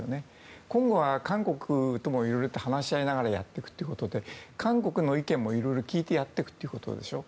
今後は韓国ともいろいろと話し合いながらやっていくということで韓国の意見もいろいろ聞いてやっていくということでしょう。